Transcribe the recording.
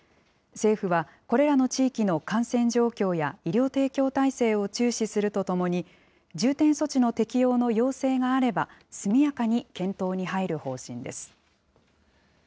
政府はこれらの地域の感染状況や医療提供体制を注視するとともに、重点措置の適用の要請があれば、速やかに検討に入る方針です。